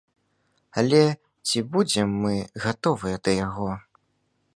Але ці будзем мы гатовыя да яго?